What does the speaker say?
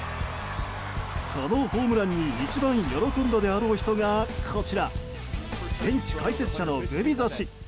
このホームランに一番喜んだであろう人がこちら現地解説者のグビザ氏。